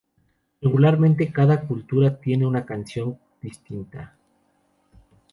Regularmente cada cultura tiene una canción distinta.